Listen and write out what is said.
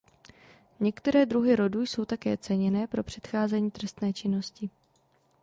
Některé druhy rodu jsou také ceněné pro předcházení trestné činnosti.